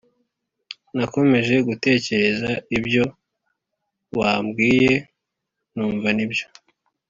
Nakomeje gutekereza ibyo wabwiye numva nibyo